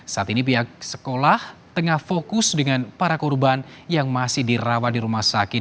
saat ini pihak sekolah tengah fokus dengan para korban yang masih dirawat di rumah sakit